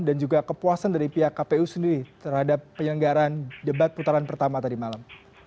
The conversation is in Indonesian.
dan juga kepuasan dari pihak kpu sendiri terhadap penyelenggaran debat putaran pertama tadi malam